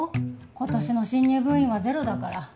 今年の新入部員はゼロだから。